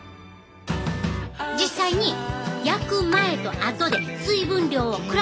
実際に焼く前と後で水分量を比べてみたで。